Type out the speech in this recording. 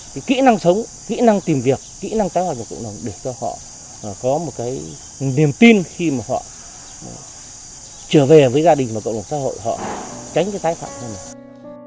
thì kỹ năng sống kỹ năng tìm việc kỹ năng tái hoạt nhập cộng đồng để cho họ có một cái niềm tin khi mà họ trở về với gia đình và cộng đồng xã hội họ tránh cái tái phạm như thế này